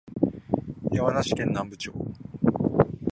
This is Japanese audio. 山梨県南部町